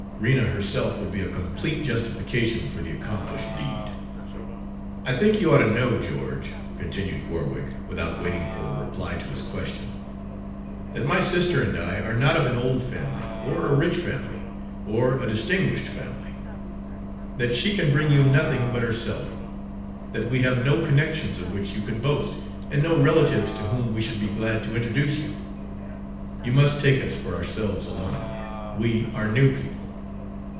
Rena herself would be a complete justification for the accomplished deed. "I think you ought to know, George," continued Warwick, without waiting for a reply to his question, "that my sister and I are not of an old family, or a rich family, or a distinguished family; that she can bring you nothing but herself; that we have no connections of which you could boast, and no relatives to whom we should be glad to introduce you. You must take us for ourselves alone we are new people."